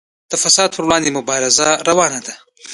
د فساد پر وړاندې مبارزه روانه ده